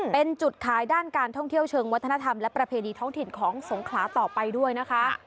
เป็นจุดขายด้านการท่องเที่ยวเชิงวัฒนธรรมและประเพณีท้องถิ่นของสงขลาต่อไปด้วยนะคะ